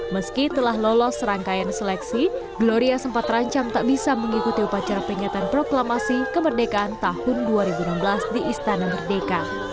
meski telah lolos rangkaian seleksi gloria sempat terancam tak bisa mengikuti upacara peringatan proklamasi kemerdekaan tahun dua ribu enam belas di istana merdeka